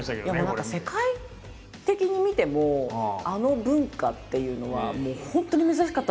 もう何か世界的に見てもあの文化っていうのはもう本当に珍しかったと思うんですよね。